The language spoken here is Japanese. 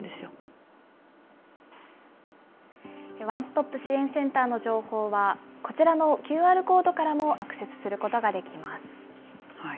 ワンストップ支援センターの情報は、こちらのＱＲコードからもアクセスすることができます。